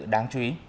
đáng chú ý